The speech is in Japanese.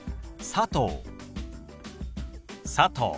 「佐藤」。